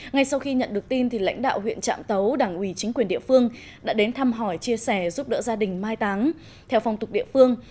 ngay sau khi nhận được tin lãnh đạo huyện trạm tấu đảng ủy chính quyền địa phương đã đến thăm hỏi chia sẻ giúp đỡ gia đình mai táng theo phòng tục địa phương